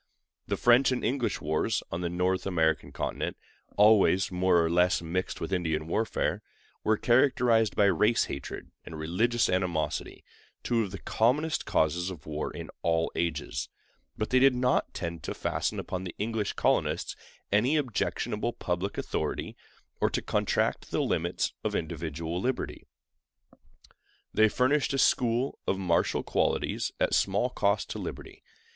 The French and English wars on the North American continent, always more or less mixed with Indian warfare, were characterized by race hatred and religious animosity—two of the commonest causes of war in all ages; but they did not tend to fasten upon the English colonists any objectionable public authority, or to contract the limits of individual liberty. They furnished a school of martial qualities at small cost to liberty.